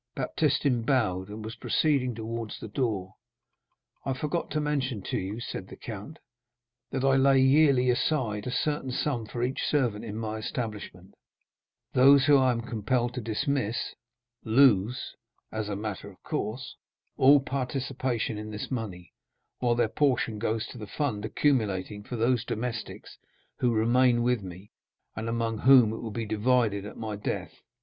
Baptistin bowed, and was proceeding towards the door. "I forgot to mention to you," said the count, "that I lay yearly aside a certain sum for each servant in my establishment; those whom I am compelled to dismiss lose (as a matter of course) all participation in this money, while their portion goes to the fund accumulating for those domestics who remain with me, and among whom it will be divided at my death.